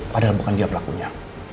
padahal bukan dia pelakunya